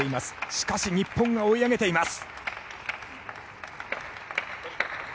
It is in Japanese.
しかし日本が追い上げています。